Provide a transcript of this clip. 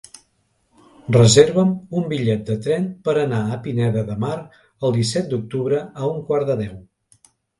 Reserva'm un bitllet de tren per anar a Pineda de Mar el disset d'octubre a un quart de deu.